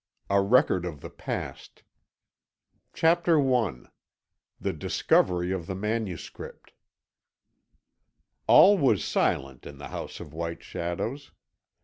A RECORD OF THE PAST_ CHAPTER I THE DISCOVERY OF THE MANUSCRIPT All was silent in the House of White Shadows.